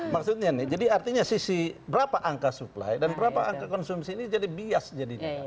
maksudnya nih jadi artinya sisi berapa angka supply dan berapa angka konsumsi ini jadi bias jadinya